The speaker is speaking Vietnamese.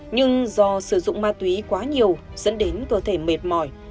nhưng do sử dụng ma túy quá nhiều dẫn đến cơ thể mệt mỏi